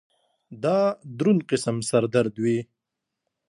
دا درون قسم سر درد وي